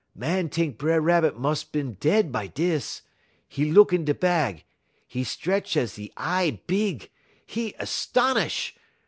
Màn t'ink B'er Rabbit mus' bin dead by dis. 'E look in da bag; 'e 'tretch 'e y eye big; 'e 'stonish'.